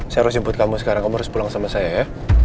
saya harus jemput kamu sekarang kamu harus pulang sama saya ya